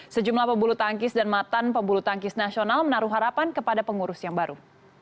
sejumlah pembulu tangkis dan matan pembulu tangkis nasional menaruh harapan kepada pengurus yang baru